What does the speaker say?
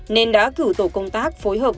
nên đã cử tổ công tác phối hợp